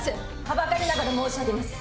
はばかりながら申し上げます。